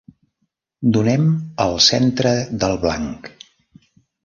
Donem al centre del blanc.